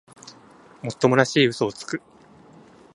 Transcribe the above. もっともらしい嘘をつく